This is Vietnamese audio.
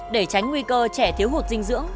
để tránh nguy cơ trẻ thiếu hụt dinh dưỡng